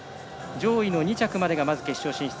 上位の２着までが決勝進出。